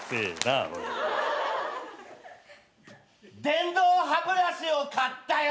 電動歯ブラシを買ったよ！